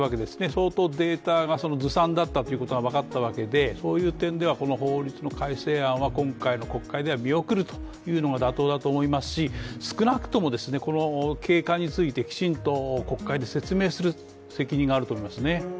相当データがずさんだったということが分かったわけでそういう点ではこの法律の改正案は今回の国会では見送るというのが妥当だと思いますし少なくともこの経過についてきちんと国会で説明する責任があると思いますね。